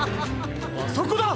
あそこだ！